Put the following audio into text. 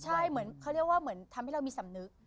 ใช่เหมือนเขาเรียกว่าเหมือนทำให้เรามีสำนึก